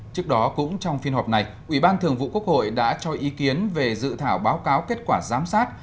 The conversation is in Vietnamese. trước đó cũng trong phiên họp này ủy ban thường vụ quốc hội đã cho ý kiến về dự thảo báo cáo kết quả giám sát